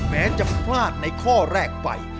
แม้จะพลาดในข้อแรกไป